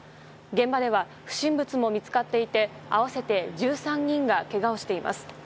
現場では不審物も見つかっていて合わせて１３人がけがをしています。